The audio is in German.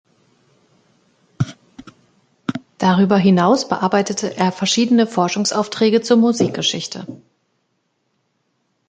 Darüber hinaus bearbeitete er verschiedene Forschungsaufträge zur Musikgeschichte.